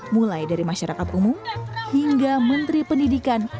mulai dari masyarakat umum hingga menteri pendidikan